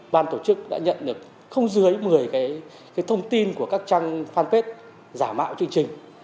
ban tổ chức đã nhận được không dưới một mươi cái thông tin của các trang fanpage giả mạo chương trình